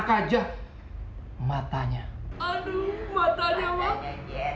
aduh matanya ma